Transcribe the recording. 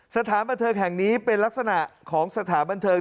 สถานบันเทิงแห่งนี้เป็นลักษณะของสถานบันเทิง